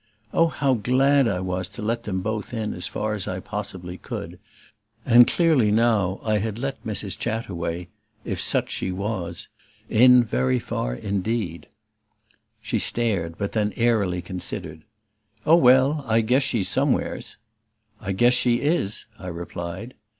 Oh, how glad I was to let them both in as far as I possibly could! And clearly now I had let Mrs. Chataway, if such she was, in very far indeed. She stared, but then airily considered. "Oh, well I guess she's somewheres." "I guess she is!" I replied.